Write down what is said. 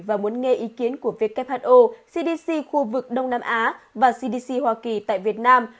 và muốn nghe ý kiến của who cdc khu vực đông nam á và cdc hoa kỳ tại việt nam